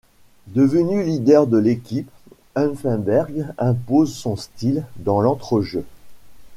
Devenu leader de l'équipe, Effenberg impose son style dans l'entrejeu.